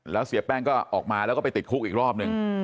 แล้วเสียแป้งก็ออกมาแล้วก็ไปติดคุกอีกรอบนึง